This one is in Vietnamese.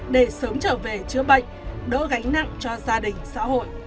để sớm trở về chữa bệnh đỡ gánh nặng cho gia đình xã hội